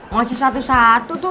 masih satu satu tuh